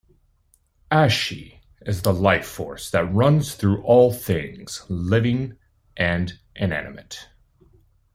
"Ashe" is the life-force that runs through all things, living and inanimate.